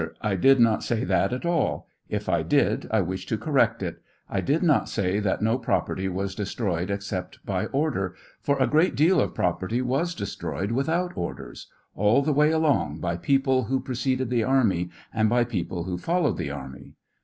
I did not say that at all ; if I did, I wish to cor rect it; I did not say that no property was destroyed except by order, for a great deal of property was de stroyed without orders all the way along by people who preceded the army, and by people who followed the army.